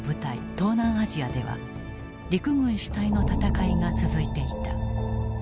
東南アジアでは陸軍主体の戦いが続いていた。